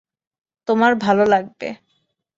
তোমার ভালো লাগবে।